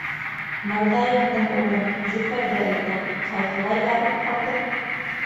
Мырҙаяндың улын, Зөфәрҙе әйтәм: ҡайһылай ярып һалды.